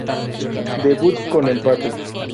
Debut con empate.